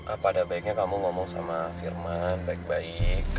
apa ada baiknya kamu ngomong sama firman baik baik